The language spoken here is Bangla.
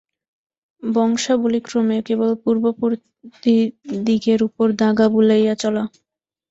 বংশাবলিক্রমে কেবল পূর্ববর্তীদিগের উপর দাগা বুলাইয়া চলা।